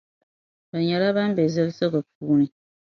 Bɛ nyεla ban be zilsigu puuni.